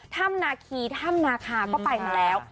ถ้ำนาคีถ้ำนาคาก็ไปมาแล้ว